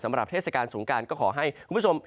เทศกาลสงการก็ขอให้คุณผู้ชม